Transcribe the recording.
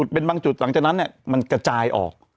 เป็นบางจุดหลังจากนั้นมันกระจายออก